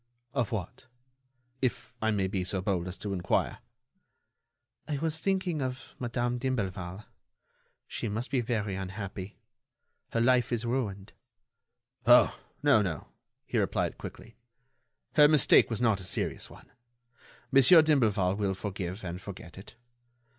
"Of what? If I may be so bold as to inquire?" "I was thinking of Madame d'Imblevalle. She must be very unhappy. Her life is ruined." "Oh! no, no," he replied quickly. "Her mistake was not a serious one. Monsieur d'Imblevalle will forgive and forget it.